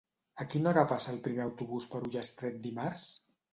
A quina hora passa el primer autobús per Ullastret dimarts?